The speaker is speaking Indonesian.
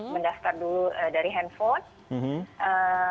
mendaftar dulu dari handphone